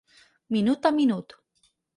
Minut a minut.